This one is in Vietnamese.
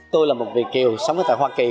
tôi là một việt kiều sống ở tại hoa kỳ